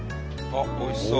あっおいしそう。